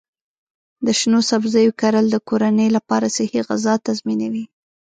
د شنو سبزیو کرل د کورنۍ لپاره صحي غذا تضمینوي.